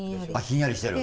ひんやりしてる。